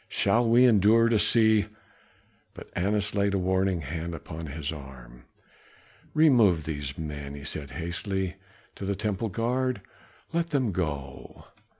Shall we endure to see " But Annas laid a warning hand upon his arm. "Remove these men," he said hastily to the temple guard. "Let them go."